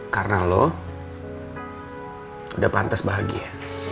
karena lo udah pantes bahagia